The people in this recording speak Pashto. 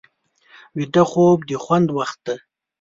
ویده خوب د خوند وخت دی